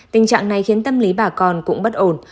tình trạng này khiến tâm lý bà con cũng bất ổn